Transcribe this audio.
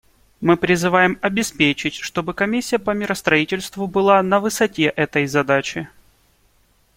Мы призваны обеспечить, чтобы Комиссия по миростроительству была на высоте этой задачи.